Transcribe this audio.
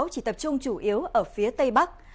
chỉ tập trung chủ yếu ở phía tây bắc